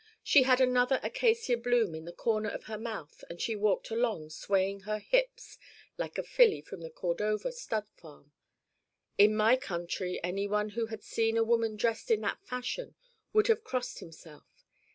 She had another acacia bloom in the corner of her mouth and she walked along swaying her hips like a filly from the Cordova stud farm. In my country anyone who had seen a woman dressed in that fashion would have crossed himself.